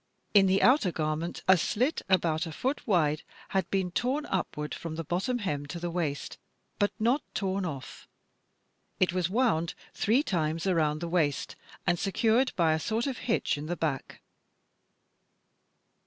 In the outer garment, a slit, about a foot wide, had been torn upward from the bottom hem to the waist, but not torn ofif. It was wound three times around the waist, and secured by a sort of hitch in the back.